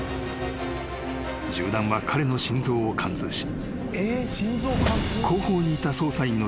［銃弾は彼の心臓を貫通し］